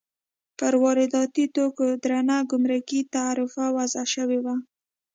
پر وارداتي توکو درنه ګمرکي تعرفه وضع شوې وه.